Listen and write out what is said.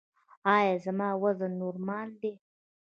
ایا زما وزن نورمال دی؟